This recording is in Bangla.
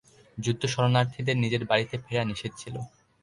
যুদ্ধ শরণার্থীদের নিজের বাড়িতে ফেরা নিষেধ ছিল।